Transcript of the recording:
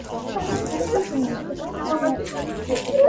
Van Horne had chosen the Ste.